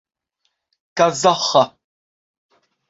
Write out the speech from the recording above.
kazaĥa